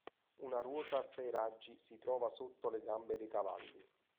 Una ruota a sei raggi si trova sotto le gambe dei cavalli.